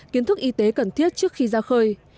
kiến thức y tế cần thiết trước khi ra khơi